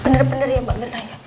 bener bener ya mbak mirna